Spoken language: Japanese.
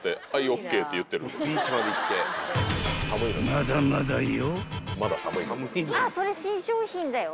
［まだまだよ］